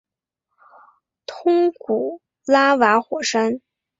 通古拉瓦火山。